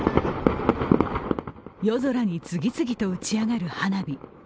夜空に次々と打ち上がる花火。